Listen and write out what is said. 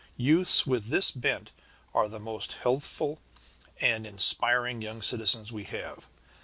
Youths with this bent are the most healthful and inspiring young citizens we have.